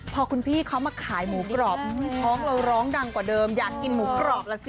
พอคุณพี่เขามาขายหมูกรอบท้องเราร้องดังกว่าเดิมอยากกินหมูกรอบล่ะสิ